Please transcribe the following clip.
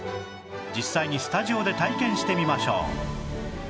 実際にスタジオで体験してみましょう